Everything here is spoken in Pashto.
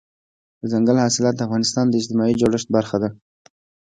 دځنګل حاصلات د افغانستان د اجتماعي جوړښت برخه ده.